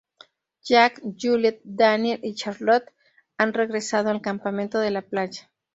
Jack, Juliet, Daniel y Charlotte han regresado al campamento de la playa.